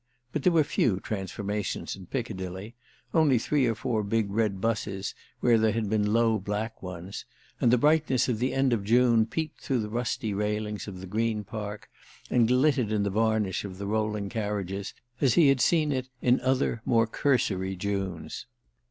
But there were few transformations in Piccadilly—only three or four big red houses where there had been low black ones—and the brightness of the end of June peeped through the rusty railings of the Green Park and glittered in the varnish of the rolling carriages as he had seen it in other, more cursory Junes.